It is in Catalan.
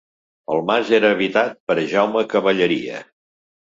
El mas era habitat per Jaume Cavalleria.